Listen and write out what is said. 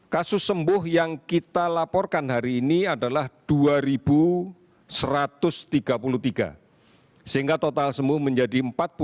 kasus sembuh yang kita laporkan hari ini adalah dua satu ratus tiga puluh tiga sehingga total sembuh menjadi empat puluh lima